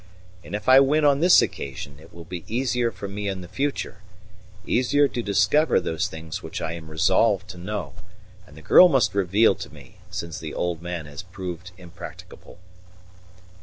And if I win on this occasion, it will be easier for me in the future easier to discover those things which I am resolved to know, and the girl must reveal to me, since the old man has proved impracticable."